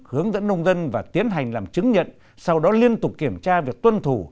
hướng dẫn nông dân và tiến hành làm chứng nhận sau đó liên tục kiểm tra việc tuân thủ